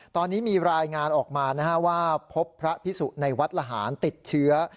ตอนนี้มีรายงานออกมาว่าพบพระพิสุในวัดละหารติดเชื้อ